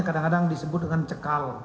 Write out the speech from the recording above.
kadang disebut dengan cekal